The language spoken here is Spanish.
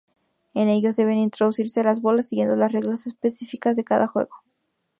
En ellos deben introducirse las bolas siguiendo las reglas específicas de cada juego.